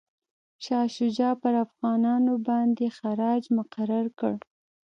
شاه شجاع پر افغانانو باندي خراج مقرر کړ.